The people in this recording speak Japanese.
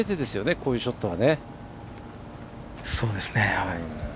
こういうショットは。